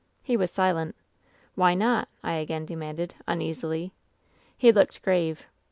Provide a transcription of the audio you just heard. "He was silent. " 'Why not V I again demanded, uneasily. "He looked grave.